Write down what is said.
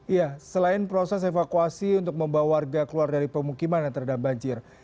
ya selain proses evakuasi untuk membawa warga keluar dari pemukiman yang terendam banjir